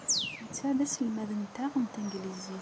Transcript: Netta d aselmad-nteɣ n tanglizit.